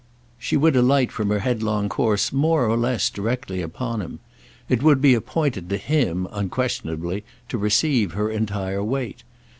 She would alight from her headlong course more or less directly upon him; it would be appointed to him, unquestionably, to receive her entire weight.